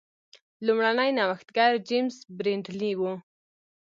لومړنی نوښتګر جېمز برینډلي و.